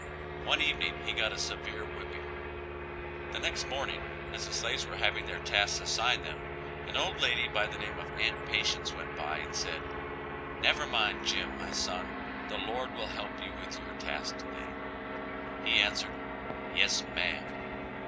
One evening he got a severe whipping; the next morning as the slaves were having their tasks assigned them, an old lady by the name of Aunt Patience went by, and said, "Never mind, Jim, my son, the Lord will help you with your task today;" he answered, "Yes, ma'am."